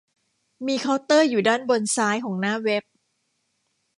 มีเคาน์เตอร์อยู่ด้านบนซ้ายของหน้าเว็บ